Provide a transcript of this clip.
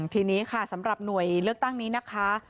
ทีนี้ค่ะสำหรับหน่วยเลือกตั้งนี้นะคะ